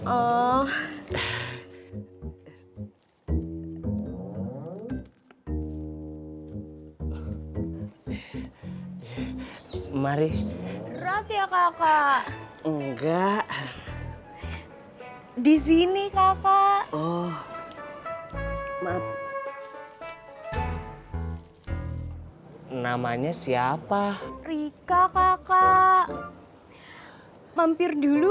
oh mari raffi kakak enggak di sini kakak oh maaf namanya siapa rika kakak mampir dulu